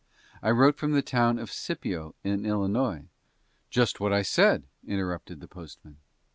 I wrote from the town of Scipio, in Illinois "Just what I said," interrupted the postman.